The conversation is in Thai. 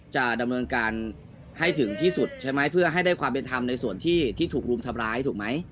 จะดำเนินการให้ถึงที่สุดใช่ไหมเพื่อให้ได้ความเป็นธรรมในส่วนที่ถูกรุมทำร้ายถูกไหม